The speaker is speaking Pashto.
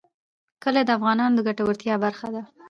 کلي د افغانانو د ګټورتیا برخه ده.